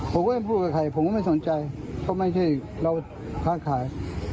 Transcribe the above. ผมก็ไม่พูดกับใครผมก็ไม่สนใจเพราะไม่ใช่เราค้าขาย